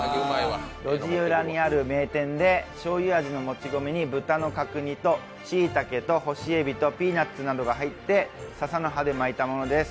路地裏にある名店でしょうゆ味の豚の角煮としいたけと、干しえびとピーナッツなどが入って笹の葉で巻いたものです。